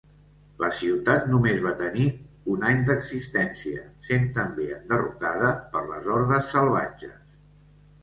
La ciutat només va tenir un any d'existència, sent també enderrocada per les hordes salvatges.